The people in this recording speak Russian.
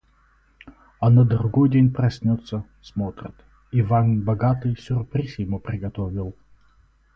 А на другой день проснется — смотрит, Иван Богатый сюрприз ему приготовил